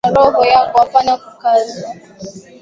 Fanya kile kina kusukuma roho yako apana kukazwa